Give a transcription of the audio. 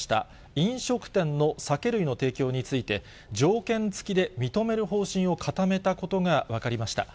飲食店の酒類の提供について、条件付きで認める方針を固めたことが分かりました。